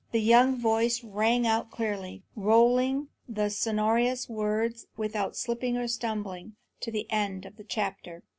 The young voice rang out clearly, rolling the sonorous words, without slip or stumbling, to the end of the chapter.